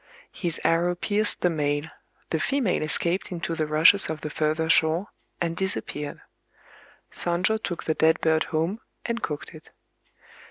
His arrow pierced the male: the female escaped into the rushes of the further shore, and disappeared. Sonjō took the dead bird home, and cooked it.